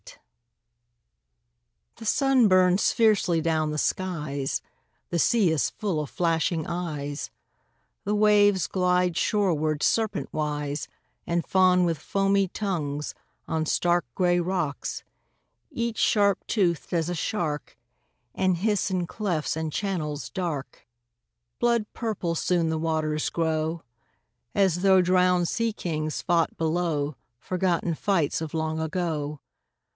A PICTURE THE sun burns fiercely down the skies ; The sea is full of flashing eyes ; The waves glide shoreward serpentwise And fawn with foamy tongues on stark Gray rocks, each sharp toothed as a shark, And hiss in clefts and channels dark. Blood purple soon the waters grow, As though drowned sea kings fought below Forgotten fights of long ago.